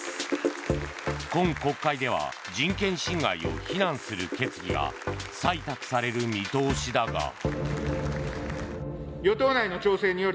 今国会では人権侵害を非難する決議が採択される見通しだが。